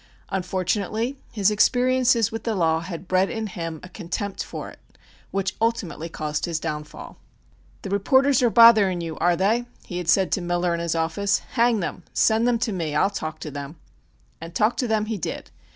Unfortunately his experiences with the law had bred in him a contempt for it which ultimately caused his downfall. "The reporters arc bothering you, are they?" he had said to Miller in his office. "Hang them! Send them to me. I'll talk to them!" And talk to them he did.